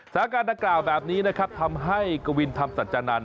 สถานการณ์ดังกล่าวแบบนี้นะครับทำให้กวินธรรมสัจจานันท